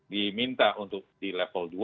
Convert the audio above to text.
diminta untuk di level dua